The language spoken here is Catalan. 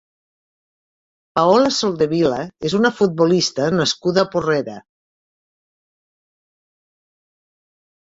Paola Soldevila és una futbolista nascuda a Porrera.